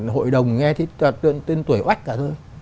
hội đồng nghe tên tuổi oách cả thôi